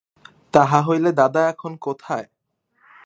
তাহা হইলে দাদা এখন কোথায়?